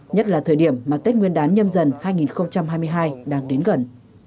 nhất là thời điểm mà tết nguyên đán nhâm dần hai nghìn hai mươi hai đang đến gần